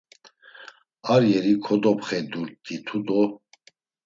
Ar yeri kodopxedurt̆itu do.